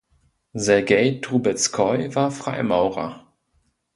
Sergei Trubezkoi war Freimaurer.